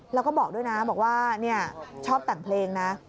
แล้วก็บอกด้วยนะบอกว่าชอบแต่งเพลงนะ